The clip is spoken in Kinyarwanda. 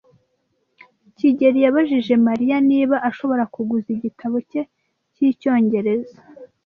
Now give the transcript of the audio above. kigeli yabajije Mariya niba ashobora kuguza igitabo cye cyicyongereza.